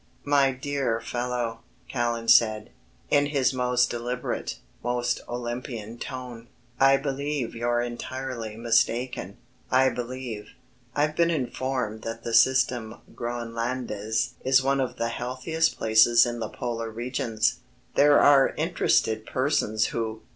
"My dear fellow," Callan said, in his most deliberate, most Olympian tone. "I believe you're entirely mistaken, I believe ... I've been informed that the Système Groënlandais is one of the healthiest places in the Polar regions. There are interested persons who...."